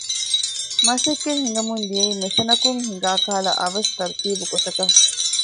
މަސައްކަތް ހިނގަމުން ދިޔައީ މެސެނަކުން ހިނގާ ކަހަލަ އަވަސް ތަރުތީބު ގޮތަކަށް